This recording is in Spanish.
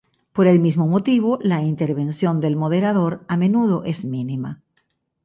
Por el mismo motivo, la intervención del moderador a menudo es mínima.